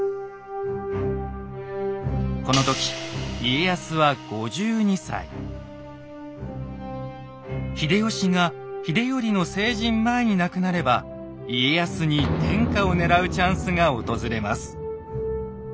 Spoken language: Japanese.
この時秀吉が秀頼の成人前に亡くなれば家康に天下を狙うチャンスが訪れます。